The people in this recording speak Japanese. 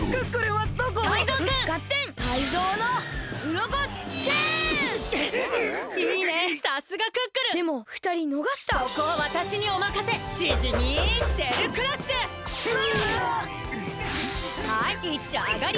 はいいっちょあがり！